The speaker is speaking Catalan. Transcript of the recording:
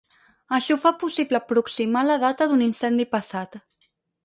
Això fa possible aproximar la data d'un incendi passat.